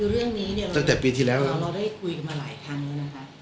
ว่าเราได้คุยมาหลายครั้งแล้วนะครับ